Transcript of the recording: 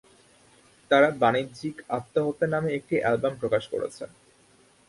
তারা "বাণিজ্যিক আত্মহত্যা" নামে একটি অ্যালবাম প্রকাশ করেছে।